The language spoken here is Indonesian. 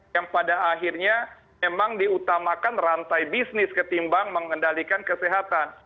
yang pada akhirnya memang diutamakan rantai bisnis ketimbang mengendalikan kesehatan